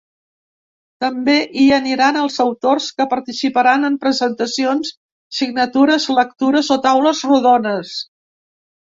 També hi aniran els autors que participaran en presentacions, signatures, lectures o taules rodones.